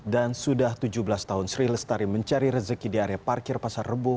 dan sudah tujuh belas tahun sri lestari mencari rezeki di area parkir pasar rebu